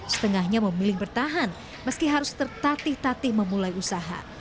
setengahnya memilih bertahan meski harus tertatih tatih memulai usaha